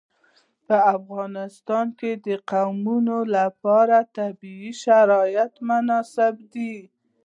په افغانستان کې د قومونه لپاره طبیعي شرایط مناسب دي.